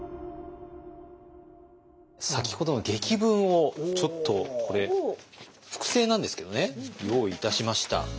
先ほどの檄文をちょっとこれ複製なんですけどね用意いたしました。